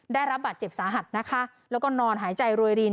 ได้รับบัตรเจ็บสาหัสแล้วก็นอนหายใจโรยริน